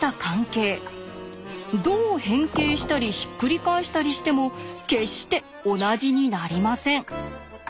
どう変形したりひっくり返したりしても決して同じになりません。